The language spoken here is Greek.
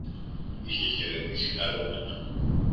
Είχε χαιρετήσει χαρούμενα